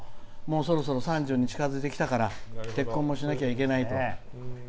もうそろそろ３０に近づいてきたから結婚もしなきゃいけないと。